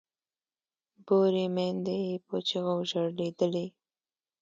بورې میندې یې په چیغو ژړېدلې